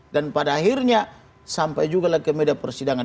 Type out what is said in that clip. dan pada akhirnya sampai juga lagi ke meja persidangan